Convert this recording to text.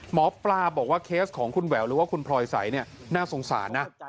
หมอปลาบอกว่าเคสของคุณแหววหรือว่าคุณพลอยใสเนี่ยน่าสงสารนะ